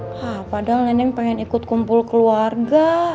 hah kadang neneng pengen ikut kumpul keluarga